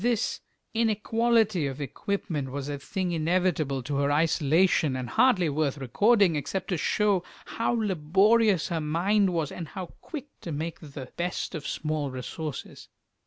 This inequality of equipment was a thing inevitable to her isolation, and hardly worth recording, except to show how laborious her mind was, and how quick to make the best of small resources.